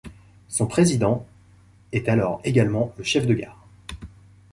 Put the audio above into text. Son président est alors également le chef de gare.